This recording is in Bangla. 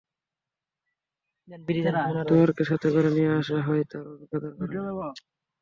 দুরায়দকে সাথে করে নিয়ে আসা হয় তার অভিজ্ঞতার কারণে।